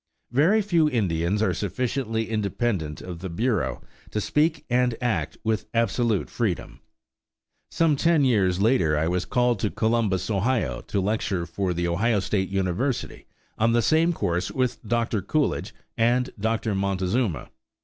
Very few Indians are sufficiently independent of the Bureau to speak and act with absolute freedom. Some ten years later I was called to Columbus, Ohio, to lecture for the Ohio State University on the same course with Dr. Coolidge and Dr. Montezuma.